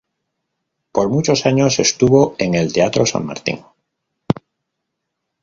Por muchos años estuvo en el teatro San Martín.